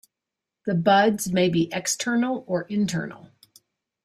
The buds may be external or internal.